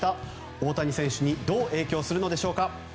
大谷選手にどう影響するのでしょうか。